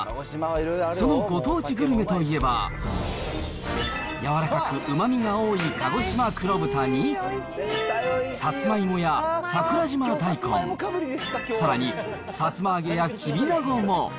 そのご当地グルメといえば、柔らかくうまみが多いかごしま黒豚に、さつまいもや桜島大根、さらに、さつま揚げやきびなごも。